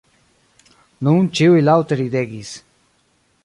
Nun ĉiuj laŭte ridegis.